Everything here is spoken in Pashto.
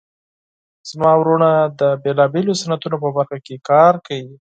زما وروڼه د بیلابیلو صنعتونو په برخه کې کار کوي